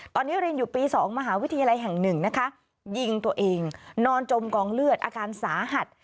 ตอนนี้เรียนอยู่ปี๒มหาวิทยาลัยแห่งหนึ่งนะคะยิงตัวเองนอนจมกองเลือดอาการสาหัส